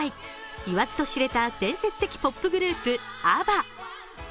言わずと知れた伝説的ポップグループ、ＡＢＢＡ。